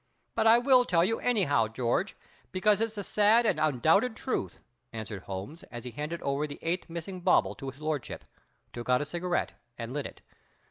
"But I will tell you, anyhow, George, because it's the sad and undoubted truth," answered Holmes, as he handed over the eighth missing bauble to His Lordship, took out a cigarette, and lit it.